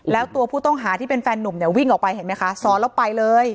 แล้วตัวผู้ต้องหาที่เป็นแฟนนุ่มเนี่ยวิ่งออกไปเห็นไหมคะซ้อนแล้วไปเลย